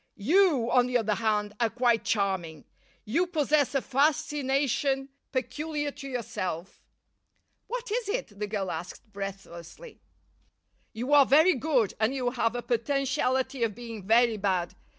You, on the other hand, are quite charming. You possess a fascination peculiar to yourself." "What is it?" the girl asked breathlessly. "You are very good, and you have a potentiality of being very bad.